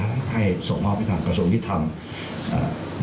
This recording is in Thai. ให้ส่งมาให้กับสมธิพิเศษ